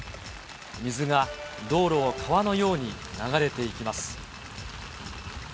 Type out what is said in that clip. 水が道路を川のように流れていきます。